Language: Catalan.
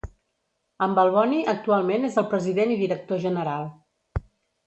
En Balboni actualment és el President i Director General.